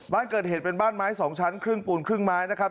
บ้านเกิดเหตุเป็นบ้านไม้๒ชั้นครึ่งปูนครึ่งไม้นะครับ